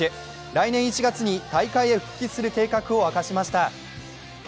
来年１月に大会へ復帰する計画を明かしました。